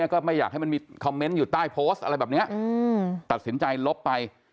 ก็ไม่อยากให้มันมีคอมเมนต์อยู่ใต้โพสต์อะไรแบบนี้ตัดสินใจลบไป